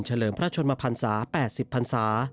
เฉลิมพระชนมภันษา๘๐ภันษา